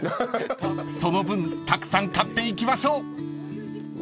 ［その分たくさん買っていきましょう］